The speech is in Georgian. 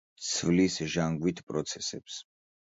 ცვლის ჟანგვით პროცესებს.